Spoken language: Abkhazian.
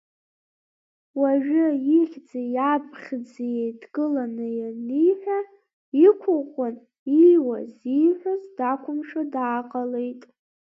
Уажәы ихьӡи иабхьӡи еидкыланы ианиҳәа, иқәыӷәӷәан, ииуаз, ииҳәоз дақәымшәо дааҟалеит.